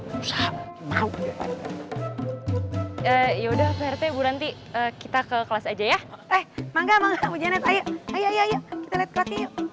sudah mau sudah o sellers rnde bu prominent e kita ke kelas aja ya eh